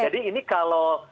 jadi ini kalau